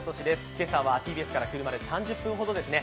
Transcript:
今朝はＴＢＳから車で３０分ほどですね